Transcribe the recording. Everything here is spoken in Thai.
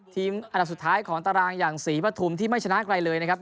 อันดับสุดท้ายของตารางอย่างศรีปฐุมที่ไม่ชนะใครเลยนะครับ